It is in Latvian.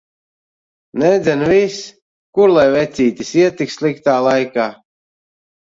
Nedzen vis! Kur lai vecītis iet tik sliktā laika.